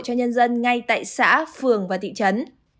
cho nhân dân ngay tại xã phường và thị trấn